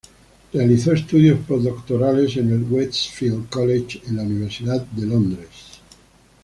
Realizó estudios posdoctorales en el Westfield College en la Universidad de Londres.